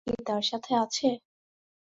ও কি তার সাথে আছে?